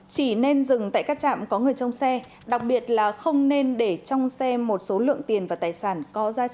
chỉ nên dừng tại các trạm có người trong xe đặc biệt là không nên để trong xe một số lượng tiền và tài sản có giá trị